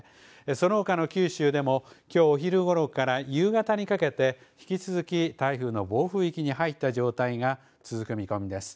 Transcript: そのほかの九州でもきょうお昼頃から夕方にかけて引き続き台風の暴風域に入った状態が続く見込みです。